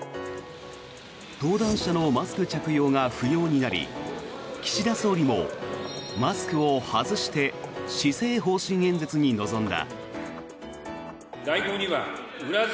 登壇者のマスク着用が不要になり岸田総理もマスクを外して施政方針演説に臨んだ。